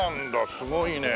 すごいね。